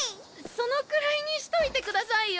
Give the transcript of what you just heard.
そのくらいにしといてくださいよ